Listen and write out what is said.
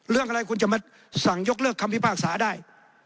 เรื่องอะไรคุณจะมาสั่งยกเลิกคำพิพากษาได้